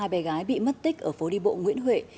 hai bé gái bị mất tích ở phố đi bộ nguyễn huệ